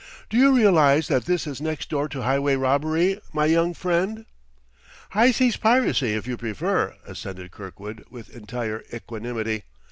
"D'you realize that this is next door to highway robbery, my young friend?" "High seas piracy, if you prefer," assented Kirkwood with entire equanimity.